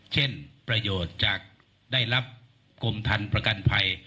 เช่นประโยชน์จากได้รับกรมทันประกันภัย